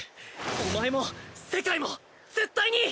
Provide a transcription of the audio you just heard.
お前も世界も絶対に！